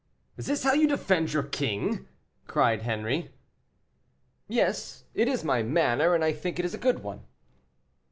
"Is this how you defend your king?" cried Henri. "Yes, it is my manner, and I think it is a good one."